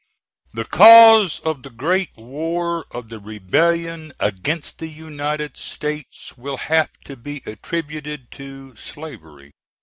The cause of the great War of the Rebellion against the United Status will have to be attributed to slavery.